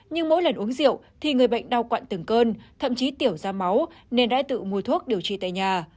nhưng mỗi lần uống rượu thì người bệnh đau quặn từng cân thậm chí tiểu ra máu nên đã tự mua thuốc điều trị tại nhà